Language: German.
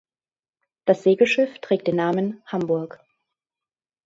Das Segelschiff trägt den Namen „Hamburg“.